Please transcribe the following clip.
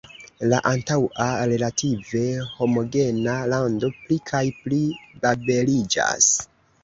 La antaŭa relative homogena lando pli kaj pli babeliĝas.